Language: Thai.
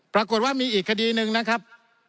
ปรากฏว่ามีอีกคดีหนึ่งนะครับ